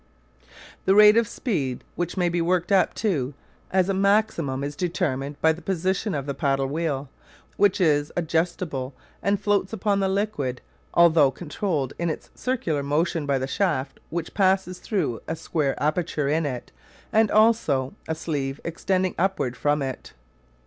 The rate of speed which may be worked up to as a maximum is determined by the position of the paddle wheel, which is adjustable and floats upon the liquid although controlled in its circular motion by the shaft which passes through a square aperture in it and also a sleeve extending upward from it.